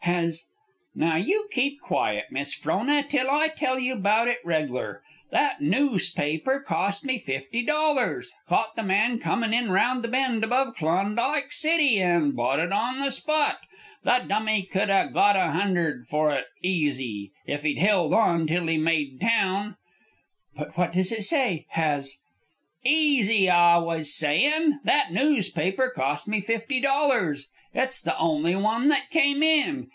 "Has " "Now you keep quiet, Miss Frona, till I tell you about it reg'lar. That noospaper cost me fifty dollars caught the man comin' in round the bend above Klondike City, an' bought it on the spot. The dummy could a got a hundred fer it, easy, if he'd held on till he made town " "But what does it say? Has " "Ez I was sayin', that noospaper cost me fifty dollars. It's the only one that come in.